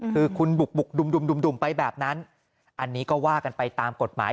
คือคุณบุกดุ่มไปแบบนั้นอันนี้ก็ว่ากันไปตามกฎหมาย